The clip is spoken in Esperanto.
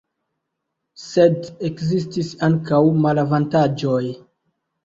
Sed ekzistis ankaŭ malavantaĝoj.